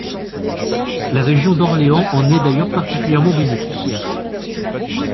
La région d’Orléans en est d’ailleurs particulièrement bénéficiaire.